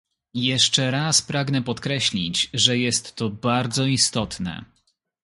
Jeszcze raz pragnę podkreślić, że jest to bardzo istotne